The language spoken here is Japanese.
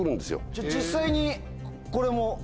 じゃあ実際にこれも。